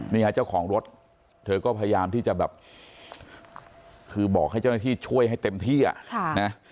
นี่ฮะเจ้าของรถเธอก็พยายามที่จะแบบคือบอกให้เจ้าหน้าที่ช่วยให้เต็มที่อ่ะนะ